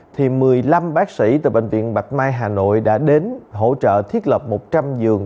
thì một mươi năm bác sĩ từ bệnh viện bạch mai hà nội đã đến hỗ trợ thiết lập một trăm linh giường